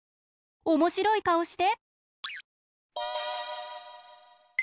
おもしろいかおして。